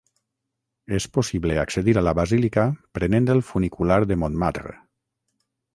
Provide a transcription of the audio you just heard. És possible accedir a la basílica prenent el funicular de Montmartre.